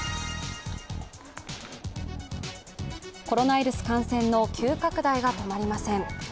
コロナウイルス感染の急拡大が止まりません。